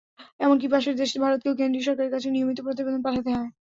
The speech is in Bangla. এমনকি পাশের দেশ ভারতকেও কেন্দ্রীয় সরকারের কাছে নিয়মিত প্রতিবেদন পাঠাতে হয়।